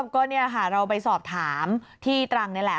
ก็เนี่ยค่ะเราไปสอบถามที่ตรังนี่แหละ